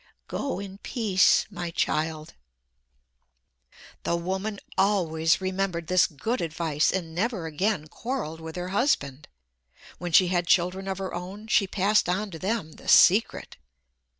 Go in peace, my child." The woman always remembered this good advice and never again quarreled with her husband. When she had children of her own she passed on to them the secret.